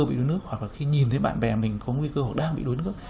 bị đuối nước hoặc là khi nhìn thấy bạn bè mình có nguy cơ đang bị đuối nước